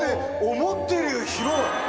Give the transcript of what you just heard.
思ってるより広い。